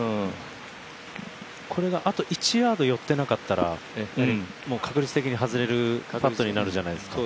これがあと１ヤード寄ってなかったら確率的に外れるパットになるじゃないですか。